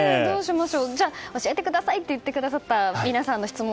じゃあ、教えてくださいと言ってくださった皆さんの質問。